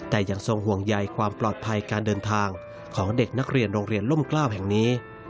แต่ยังทรงห่วงใยความปลอดภัยการเดินทางของเด็กนักเรียนโรงเรียนล่มกล้าวแห่งนี้